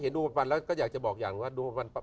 เห็นดวงบรรปันแล้วก็อยากจะบอกอย่างนี้ว่า